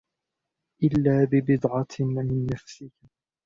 إلَّا بِبِضْعَةٍ مِنْ نَفْسِك